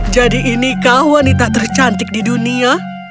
jadi ini kau wanita tercantik di dunia